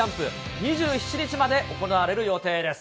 ２７日まで行われる予定です。